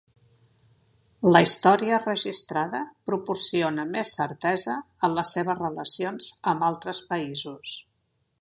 La història registrada proporciona més certesa en les seves relacions amb altres països.